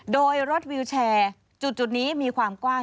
โดยรถวิวแชร์จุดนี้มีความกว้าง